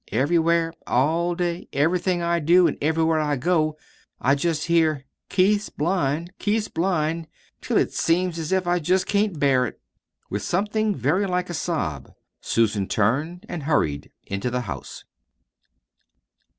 Everywhere, all day, everything I do an' everywhere I go I jest hear: 'Keith's blind, Keith's blind!' till it seems as if I jest couldn't bear it." With something very like a sob Susan turned and hurried into the house.